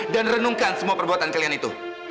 dan renungkan semua perbuatan kalian itu